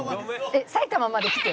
「えっ埼玉まで来て？」